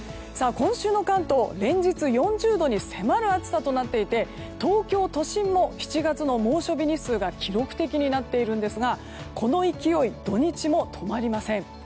今週の関東、連日４０度に迫る暑さになっていて東京都心の７月の猛暑日の日数が記録的になっているんですがこの勢い、土日も止まりません。